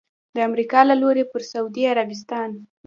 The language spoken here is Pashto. د امریکا له لوري پر سعودي عربستان